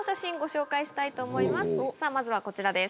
さぁまずはこちらです